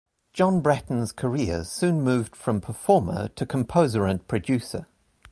John Bratton's career soon moved from performer to composer and producer.